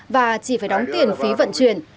và chỉ phải đóng tiền phí vận chuyển